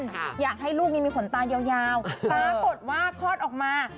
อยากให้ลูกนี้มีขนตายาวยาวปรากฏว่าคลอดออกมา